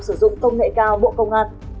sử dụng công nghệ cao bộ công an